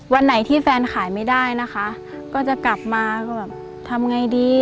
วันไหนที่แฟนขายไม่ได้นะคะก็จะกลับมาก็แบบทำไงดี